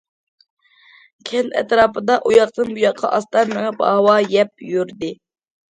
كەنت ئەتراپىدا ئۇياقتىن- بۇياققا ئاستا مېڭىپ ھاۋا يەپ يۈردى.